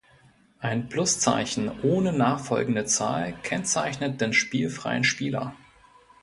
Ein Pluszeichen ohne nachfolgende Zahl kennzeichnet den spielfreien Spieler.